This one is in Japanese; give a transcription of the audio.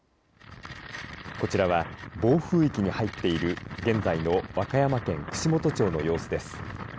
こちらは暴風域に入っている現在の和歌山県串本町の様子です。